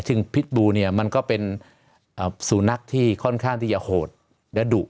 ซึ่งพิษบูเนี่ยมันก็เป็นสูนักที่ค่อนข้างที่จะโหดและดุ